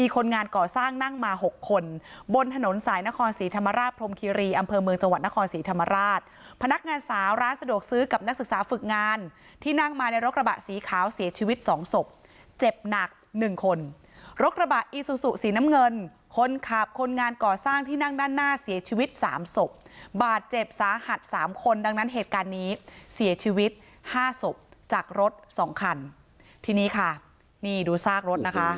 คนบนถนนสายนครสีธรรมราชพรมคิรีอำเภอเมืองจังหวัดนครสีธรรมราชพนักงานสาร้านสะดวกซื้อกับนักศึกษาฝึกงานที่นั่งมาในรถกระบะสีขาวเสียชีวิตสองศพเจ็บหนักหนึ่งคนรถกระบะอีซูซุสีน้ำเงินคนขับคนงานก่อสร้างที่นั่งด้านหน้าเสียชีวิตสามศพบาทเจ็บสาหัดสามคนดังนั้นเหตุการ